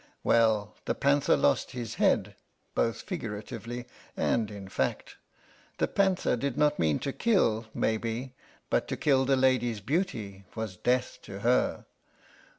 Well, the panther lost his head, both figuratively and in fact. The panther did not mean to kill, maybe, but to kill the lady's beauty was death to her....